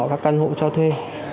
các căn hộ cho thuê